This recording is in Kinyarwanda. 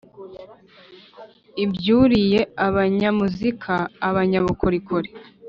ubyiruye abanyamuzika, abanyabukorikori,